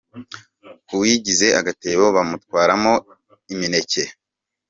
Uwigize agatebo bamutwaramo imineke.